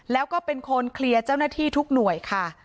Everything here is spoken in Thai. แล้วก็เป็นคนเคลียร์เจ้าหน้าที่ทุกหน่วยค่ะ